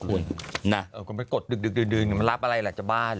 เอาไปกดดึกมันรับอะไรล่ะจะบ้าเหรอ